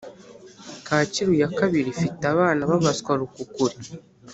Kacyiru ya kabiri ifite abana babaswa rukukuri